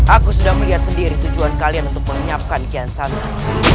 aku sudah melihat sendiri tujuan kalian untuk menyiapkan kian santan